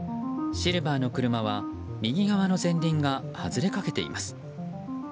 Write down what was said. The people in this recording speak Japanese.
シルバーの車は右側の前輪が外れかけています。